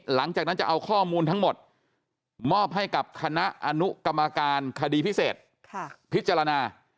หลังจากนั้นจะเอาข้อมูลทั้งหมดมอบให้กับคณะอนุกรรมการคดีพิเศษพิจารณา